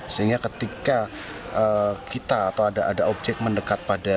sehingga ketika kita atau ada objek mendekat pada